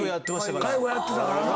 介護やってたからな。